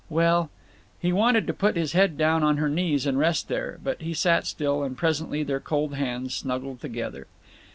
Well—" He wanted to put his head down on her knees and rest there. But he sat still, and presently their cold hands snuggled together.